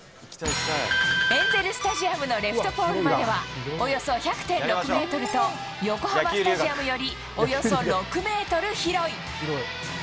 エンゼルスタジアムのレフトポールまでは、およそ１００．６メートルと、横浜スタジアムよりおよそ６メートル広い。